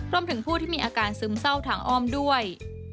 รวมถึงผู้ที่มีอาการซึมเศร้าทางอ้อมด้วย